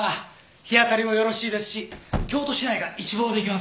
日当たりもよろしいですし京都市内が一望できますよ。